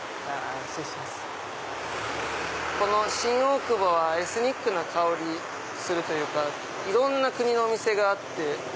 この新大久保はエスニックな香りするというかいろんな国のお店があって。